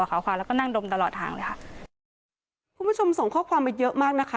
คุณผู้ชมส่งข้อความมาเยอะมากนะคะ